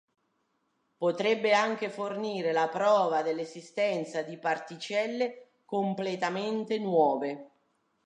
Potrebbe anche fornire la prova dell'esistenza di particelle completamente nuove.